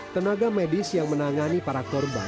tenaga medis yang menangani para korban